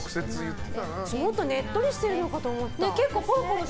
もっとねっとりしてるのかと思った。